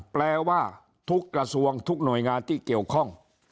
แปลว่าทุกกระทรวงทุกหน่วยงานที่เกี่ยวข้อง